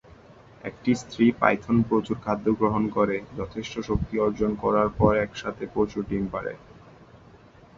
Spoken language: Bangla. একটি স্ত্রী পাইথন প্রচুর খাদ্যগ্রহণ করে যথেষ্ট শক্তি অর্জন করার পর একসাথে প্রচুর ডিম পারে।